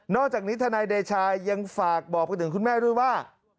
อกจากนี้ทนายเดชายังฝากบอกไปถึงคุณแม่ด้วยว่า